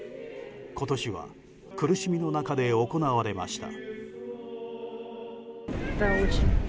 今年は苦しみの中で行われました。